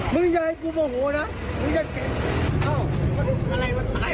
ไม่ได้ว่าการอะไร